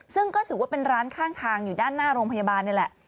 ซึ่งก็ถือว่าเป็นร้านข้างทางอยู่ด้านหน้าโรงพยาบาลนี่แหละ